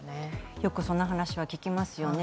よくその話は聞きますよね。